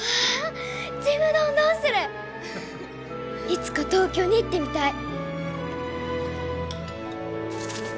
いつか東京に行ってみたい。